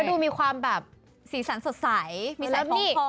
ก็ดูมีความสีสันสดใส